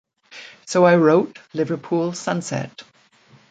So I wrote 'Liverpool Sunset'.